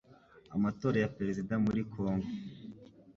Amatora ya Perezida muri Kongo